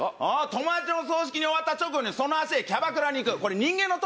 友達の葬式終わった直後にその足でキャバクラに行く。